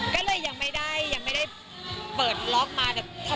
ก็เลยยังไม่ได้ยังไม่ได้เปิดล็อกมาแบบ